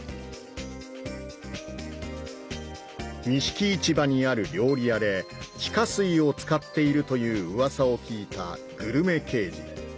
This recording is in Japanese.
錦市場にある料理屋で地下水を使っているというウワサを聞いたグルメ刑事